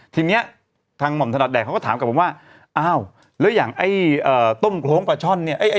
ทีนี้ทางหม่อมถนัดแดงเขาก็ถามกลับมาว่าอ้าวแล้วอย่างไอ้ต้มโครงปลาช่อนเนี่ย